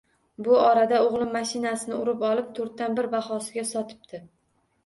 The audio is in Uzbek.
Bu orada o`g`lim mashinasini urib olib, to`rtdan bir bahosiga sotibdi